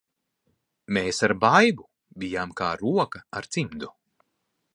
Mēs ar Baibu bijām kā roka ar cimdu.